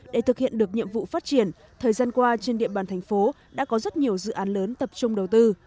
để thực hiện được nhiệm vụ phát triển thời gian qua trên địa bàn thành phố đã có rất nhiều dự án lớn tập trung đầu tư